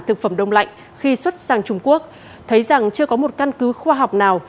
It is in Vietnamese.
thực phẩm đông lạnh khi xuất sang trung quốc thấy rằng chưa có một căn cứ khoa học nào